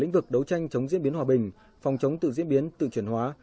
lĩnh vực đấu tranh chống diễn biến hòa bình phòng chống tự diễn biến tự chuyển hóa